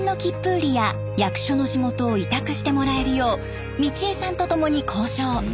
売りや役所の仕事を委託してもらえるよう美千枝さんとともに交渉。